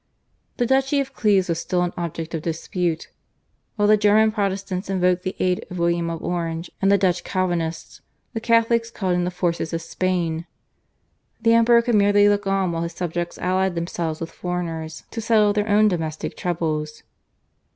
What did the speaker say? The Duchy of Cleves was still an object of dispute. While the German Protestants invoked the aid of William of Orange and the Dutch Calvinists, the Catholics called in the forces of Spain. The Emperor could merely look on while his subjects allied themselves with foreigners to settle their own domestic troubles.